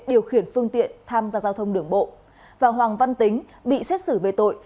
điều khiển phương tiện tham gia giao thông đường bộ và hoàng văn tính bị xét xử về tội